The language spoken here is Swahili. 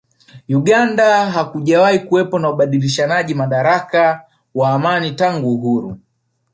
Uganda hakujawahi kuwepo na ubadilishanaji madaraka wa amani tangu uhuru